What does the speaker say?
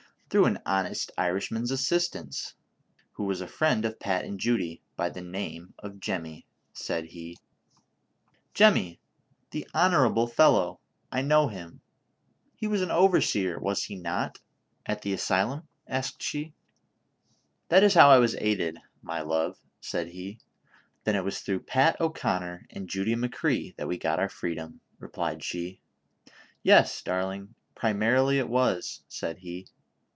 " Through an honest Irishman's assistance, who was a friend of Pat and Judy, by the name of Jemm>; " said he. THE CONSPIRATOES AND LOVEKS. 243 "Jemmy ! the honorable fellow ; I know him, he was au overseer, was he not, at the asylum V" asked she. " That is how I was aided, my love," said he. "Then it was through Pat O'Conner and Judy McCrea that we got our freedom," replied she. "Yes, darling, primarily it was," said he.